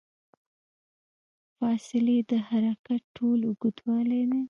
فاصلې د حرکت ټول اوږدوالی دی.